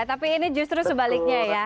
tapi ini justru sebaliknya ya